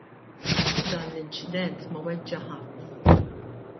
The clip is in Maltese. F'dan l-inċident ma weġġa' ħadd.